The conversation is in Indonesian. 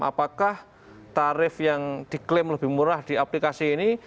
apakah tarif yang diklaim lebih murah di aplikasi ini